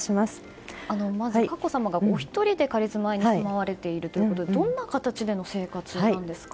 まず、佳子さまがお一人で仮住まいに住まわれているということですがどんな形での生活なんですか？